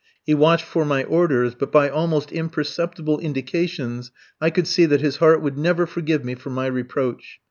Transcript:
He watched for my orders, but by almost imperceptible indications I could see that his heart would never forgive me for my reproach.